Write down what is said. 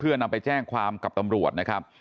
เพื่อนำไปแจ้งความกับตำรวจนะครับ